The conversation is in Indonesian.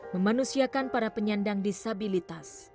memanusiakan para penyandang disabilitas